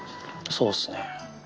そうっすね。